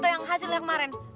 jangan terlalu be jeez om